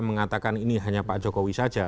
mengatakan ini hanya pak jokowi saja